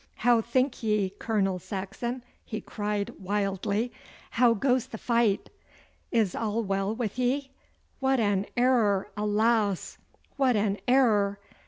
'How think ye, Colonel Saxon?' he cried wildly. 'How goes the fight? Is all well with ye? What an error, alas! what an error!